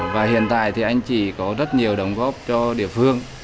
và hiện tại thì anh chị có rất nhiều đóng góp cho địa phương